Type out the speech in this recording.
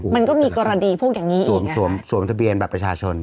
มันก็มีกรณีพวกอย่างยังงี้อ่างส่วมส่วมทะเบียนแบบประชาชน